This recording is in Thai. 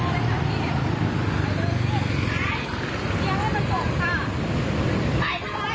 แต่ว่าขนาดไหนก็จะินให้เสร็จ